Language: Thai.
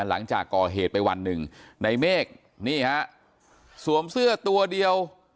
หลังจากก่อเหตุไปวันหนึ่งในเมฆนี่ฮะสวมเสื้อตัวเดียว